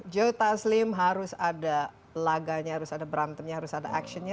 joe taslim harus ada laganya harus ada berantemnya harus ada actionnya